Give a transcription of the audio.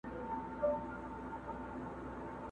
کورته مي څوک نه راځي زړه ته چي ټکور مي سي،